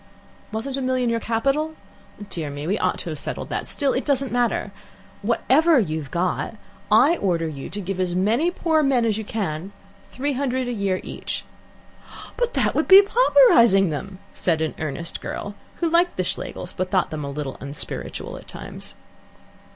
"Wasn't a million your capital? Dear me! we ought to have settled that. Still, it doesn't matter. Whatever you've got, I order you to give as many poor men as you can three hundred a year each. " "But that would be pauperizing them," said an earnest girl, who liked the Schlegels, but thought them a little unspiritual at times.